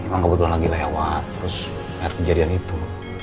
emang nggak butuh lagi lewat terus lihat kejadian itu